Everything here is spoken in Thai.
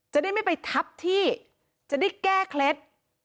จะได้ไม่ไปทับที่จะได้แก้เคล็ด